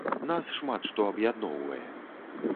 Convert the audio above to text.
Нас шмат што аб'ядноўвае.